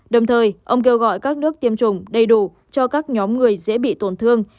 đồng thời ông kêu gọi các nước tiêm chủng đầy đủ cho các nhóm người dễ bị tổn thương